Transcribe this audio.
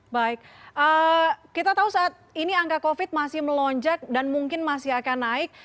baik kita tahu saat ini angka covid masih melonjak dan mungkin masih akan naik